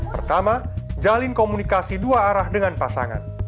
pertama jalin komunikasi dua arah dengan pasangan